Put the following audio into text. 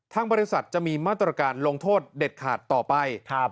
ทางบริษัทจะมีมาตรการลงโทษเด็ดขาดต่อไป